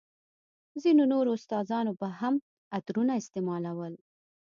ځينو نورو استادانو به هم عطرونه استعمالول.